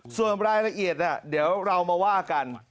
ส่วนรายละเอียดเดี๋ยวเรามาว่ากัน